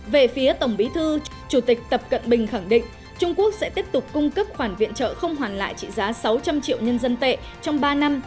về phía tổng bí thư chủ tịch tập cận bình khẳng định trung quốc sẽ tiếp tục cung cấp khoản viện trợ không hoàn lại trị giá sáu trăm linh triệu nhân dân tệ trong ba năm